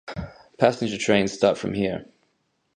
Passenger trains start from here.